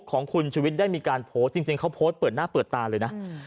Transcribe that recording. ของคุณชุวิตได้มีการโพสต์จริงเขาโพสต์เปิดหน้าเปิดตาเลยนะ